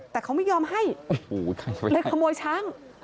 แต่เขาไม่ยอมให้เลยขโมยช้าง